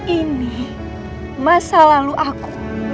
ini masa lalu aku